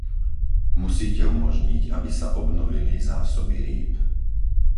Musíte umožniť, aby sa obnovili zásoby rýb.